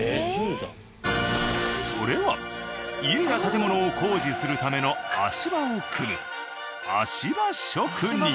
それは家や建物を工事するための足場を組む足場職人。